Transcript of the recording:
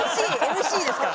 ＭＣですから。